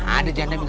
ada janda bisa